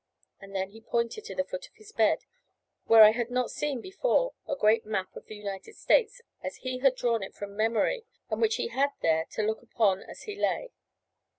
And then he pointed to the foot of his bed, where I had not seen before a great map of the United States, as he had drawn it from memory, and which he had there to look upon as he lay.